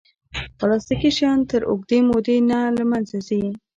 پلاستيکي شیان تر اوږدې مودې نه له منځه ځي.